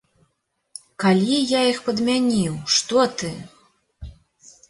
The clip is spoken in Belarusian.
Калі я іх падмяніў, што ты?